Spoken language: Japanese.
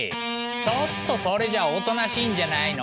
ちょっとそれじゃおとなしいんじゃないの？